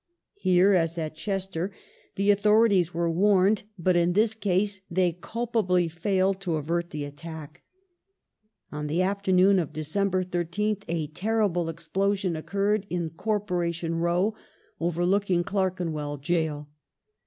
Here, as at Chester, the author 378 THE IRISH QUESTION [1865 ities were warned ; but in this case they culpably failed to avert the attack. On the afternoon of December 13th a terrible ex plosion occurred in Corporation Row overlooking Clerkenwell Gaol.